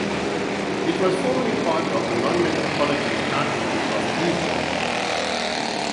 It was formerly part of the non-metropolitan county of Cleveland.